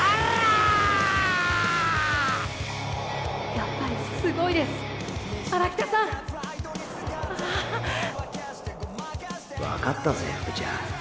やっぱりすごいです荒北さん分かったぜ福ちゃん。